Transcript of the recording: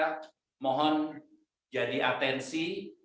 saya mohon jadi atensi